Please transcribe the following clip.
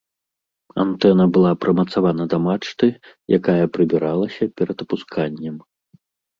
Антэна была прымацавана да мачты, якая прыбіралася перад апусканнем.